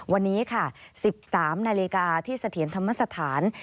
วันนี้ค่ะ๑๓นาฬิกาที่เสถียรธรรมสถาน